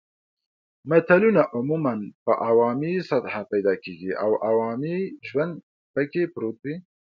متلونه عموماً په عوامي سطحه پیدا کېږي او عوامي ژوند پکې پروت وي